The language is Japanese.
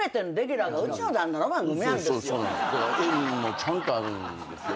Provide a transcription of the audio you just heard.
縁もちゃんとあるんですよね。